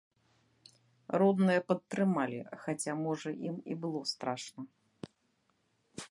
Родныя падтрымалі, хаця, можа, ім і было страшна.